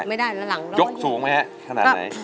ยกสูงไหมครับขนาดไหน